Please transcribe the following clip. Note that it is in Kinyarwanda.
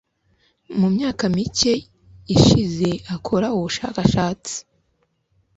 mu myaka mike ishize akora ubushakashatsi